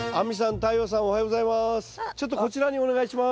太陽さんおはようございます。